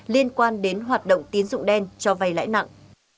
liên quan đến hoạt động tín dụng đen cho vay lãi nặng